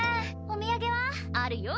お土産は？あるよ！